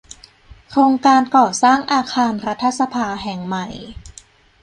โครงการก่อสร้างอาคารรัฐสภาแห่งใหม่